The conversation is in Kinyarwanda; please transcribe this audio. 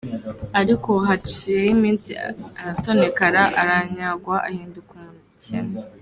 Ariko haciyeho iminsi, aratonekara aranyagwa; ahinduka umukene.